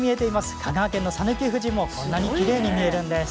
香川県の讃岐富士もこんなにきれいに見えるんです。